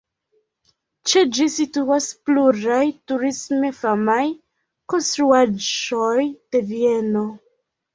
Ĉe ĝi situas pluraj turisme famaj konstruaĵoj de Vieno.